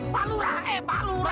palu lah eh palu lah